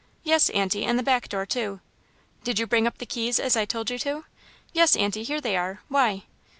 "Yes, Aunty, and the back door too." "Did you bring up the keys as I told you to?" "Yes, Aunty, here they are. Why?"